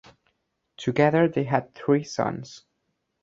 Together they had three sons.